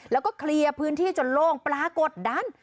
แล้วก็เคลียร์พื้นที่จนโล่งปรากฏดัน